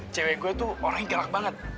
cewek gue tuh orang yang gelap banget